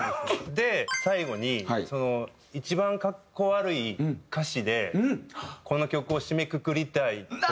で最後にその一番格好悪い歌詞でこの曲を締めくくりたいと思って。